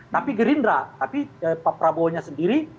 tapi gerindra tapi pak prabowo nya sendiri